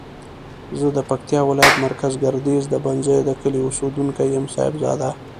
زه د پکتیاولایت مرکز ګردیز د بنزیو دکلی اوسیدونکی یم صاحب زاده